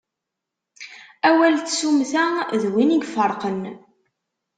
Awal n tsummta, d win i ifeṛṛqen.